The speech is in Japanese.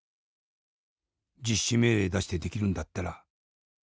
実施命令出してできるんだったらやってみろと。